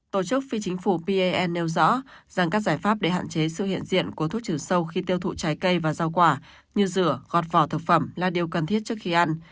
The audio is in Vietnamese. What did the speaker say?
tổ chức phi chính phủ penh nêu rõ rằng các giải pháp để hạn chế sự hiện diện của thuốc trừ sâu khi tiêu thụ trái cây và rau quả như rửa gọt vỏ thực phẩm là điều cần thiết trước khi ăn